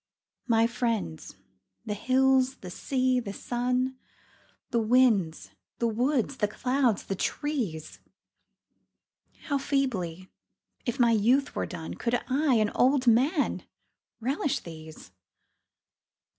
My friends the hills, the sea, the sun, The winds, the woods, the clouds, the trees How feebly, if my youth were done, Could I, an old man, relish these